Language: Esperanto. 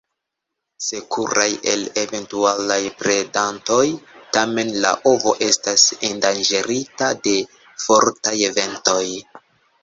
Sekuraj el eventualaj predantoj, tamen la ovo estas endanĝerita de fortaj ventoj.